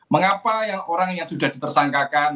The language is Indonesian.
mengapa orang yang sudah ditersangkakan